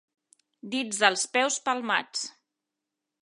Dits dels peus palmats.